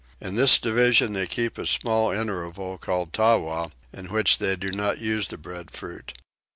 In this division they keep a small interval called Tawa in which they do not use the breadfruit.